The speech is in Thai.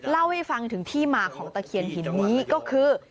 เล่าให้ฟังถึงที่มาของตะเคียนหินนี้ก็คือ